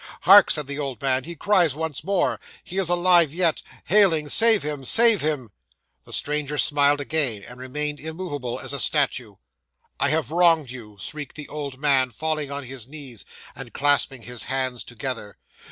'"Hark!" said the old man. "He cries once more. He is alive yet. Heyling, save him, save him!" 'The stranger smiled again, and remained immovable as a statue. '"I have wronged you," shrieked the old man, falling on his knees, and clasping his hands together.